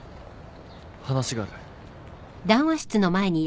話がある。